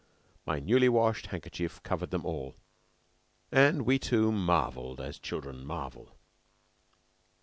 My newly washed handkerchief covered them all, and we two marvelled as children marvel.